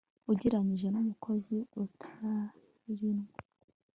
ugereranyije n umukozi utarinywa